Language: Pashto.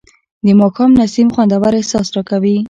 د ماښام نسیم خوندور احساس راکوي